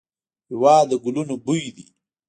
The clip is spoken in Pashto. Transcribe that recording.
هېواد د ګلونو بوی دی.